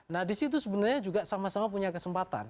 nah di situ sebenarnya juga sama sama punya kesempatan